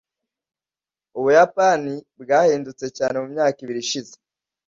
ubuyapani bwahindutse cyane mumyaka ibirii ishize